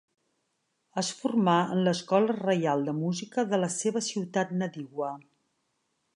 Es formà en l'Escola Reial de Música de la seva ciutat nadiua.